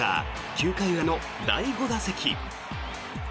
９回裏の第５打席。